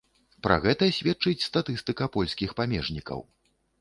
Пра гэта сведчыць статыстыка польскіх памежнікаў.